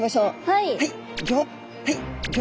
はい。